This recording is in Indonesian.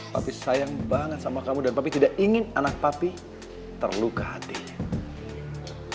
tapi sayang banget sama kamu dan papi tidak ingin anak papi terluka hatinya